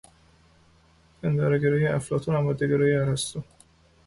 پندارهگرایی افلاطون و ماده گرایی ارسطو